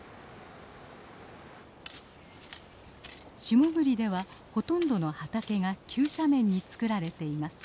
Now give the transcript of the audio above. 下栗ではほとんどの畑が急斜面に作られています。